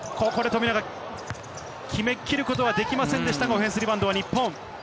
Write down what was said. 富永、決めきることはできませんでしたが、オフェンスリバウンドは日本。